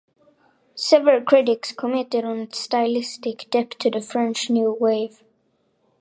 Several critics commented on its stylistic debt to the French New Wave.